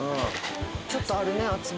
ちょっとあるね厚み。